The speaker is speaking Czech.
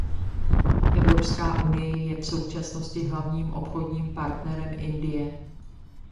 Evropská unie je v současnosti hlavním obchodním partnerem Indie.